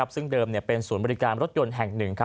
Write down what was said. ซึ่งเดิมเป็นศูนย์บริการรถยนต์แห่งหนึ่ง